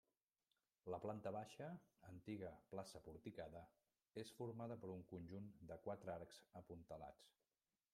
La planta baixa, antiga Plaça Porticada, és formada per un conjunt de quatre arcs apuntalats.